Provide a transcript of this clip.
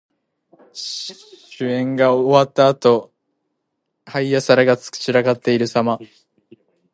酒宴が終わったあと、杯や皿が散らかっているさま。